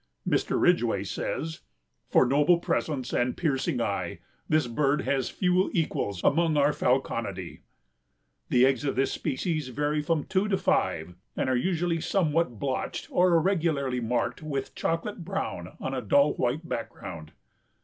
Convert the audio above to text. Mr. Ridgway says, "for noble presence and piercing eye this bird has few equals among our Falconidae." The eggs of this species vary from two to five and are usually somewhat blotched or irregularly marked with chocolate brown on a dull white background.